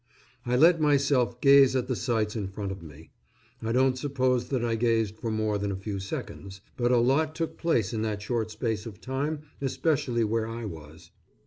I let myself gaze at the sights in front of me. I don't suppose that I gazed for more than a few seconds; but a lot took place in that short space of time, especially where I was.